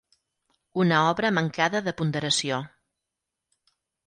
Una obra mancada de ponderació.